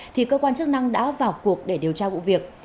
thì cơ quan chức năng đã vào cuộc để điều tra vụ việc